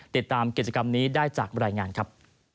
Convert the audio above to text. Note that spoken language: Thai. ติดตามกิจกรรมนี้ได้จากบรรยายงานครับ